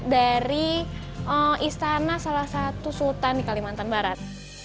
dari istana salah satu sultan di kalimantan barat